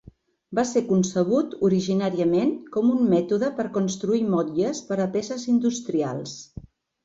Va ser concebut originàriament com un mètode per construir motlles per a peces industrials.